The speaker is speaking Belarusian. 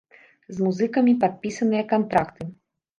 З музыкамі падпісаныя кантракты.